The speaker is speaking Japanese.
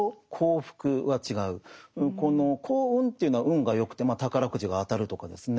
この幸運というのは運がよくてまあ宝くじが当たるとかですね。